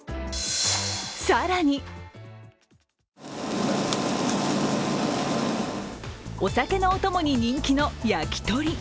更にお酒のお供に人気の焼き鳥。